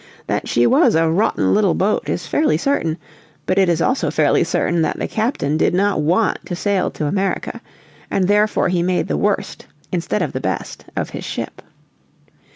That she was a rotten little boat is fairly certain, but it is also fairly certain that the Captain did not want to sail to America, and therefore he made the worst, instead of the best, of his ship.